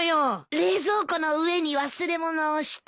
冷蔵庫の上に忘れ物をして。